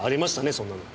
そんなの。